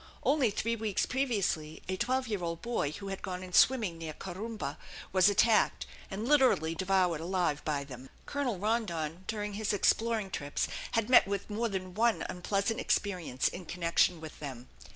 Only three weeks previously a twelve year old boy who had gone in swimming near Corumba was attacked, and literally devoured alive by them. Colonel Rondon during his exploring trips had met with more than one unpleasant experience in connection with them.